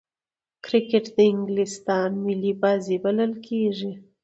کرکټ د انګلستان ملي بازي بلل کیږي.